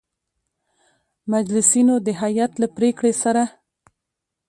مجلسینو د هیئت له پرېکړې سـره